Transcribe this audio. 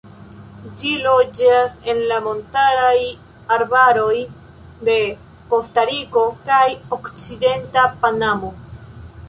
Ĝi loĝas en la montaraj arbaroj de Kostariko kaj okcidenta Panamo.